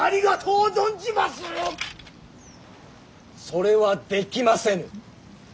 それはできませぬ。